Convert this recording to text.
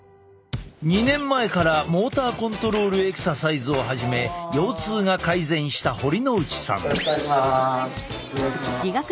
２年前からモーターコントロールエクササイズを始め腰痛が改善した堀之内さん。